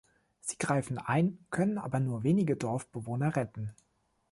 Sie greifen ein, können aber nur wenige Dorfbewohner retten.